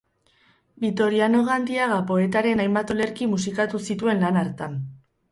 Bitoriano Gandiaga poetaren hainbat olerki musikatu zituen lan hartan.